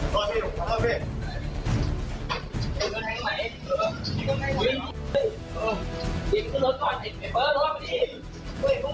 โดยเดี๋ยวให้ร่างกายก่อน